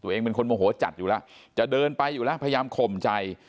เป็นคนโมโหจัดอยู่แล้วจะเดินไปอยู่แล้วพยายามข่มใจ